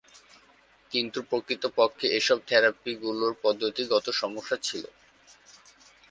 কিন্তু প্রকৃতপক্ষে এসব থেরাপি গুলোর পদ্ধতিগত সমস্যা ছিল।